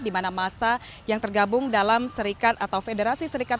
di mana masa yang tergabung dalam serikat atau federasi serikat